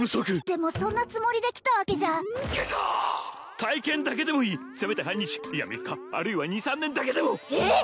でもそんなつもりで来たわけじゃ体験だけでもいいせめて半日いや３日あるいは２３年だけでもええっ！